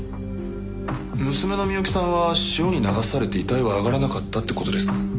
娘の美雪さんは潮に流されて遺体は上がらなかったって事ですか？